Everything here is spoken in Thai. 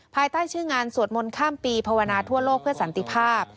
ภายใต้ชื่องานสวดมนต์ข้ามปีภาวนาทั่วโลกเพื่อสันติภาพ